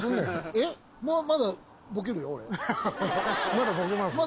まだボケます？